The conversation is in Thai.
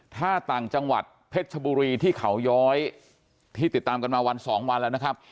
ถ้าต่างจังหวัดเพชรชบุรีที่เขาย้อยที่ติดตามกันมาวันสองวันแล้วนะครับ